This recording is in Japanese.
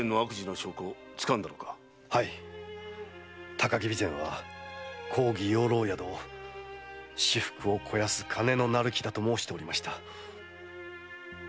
高木備前は公儀養老宿を私腹を肥やす金のなる木だと申しておりました。